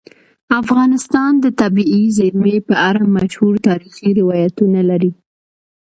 افغانستان د طبیعي زیرمې په اړه مشهور تاریخی روایتونه لري.